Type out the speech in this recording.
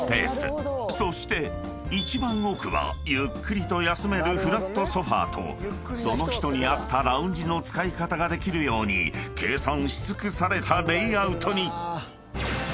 ［そして一番奥はゆっくりと休めるフラットソファとその人に合ったラウンジの使い方ができるように計算し尽くされたレイアウトに］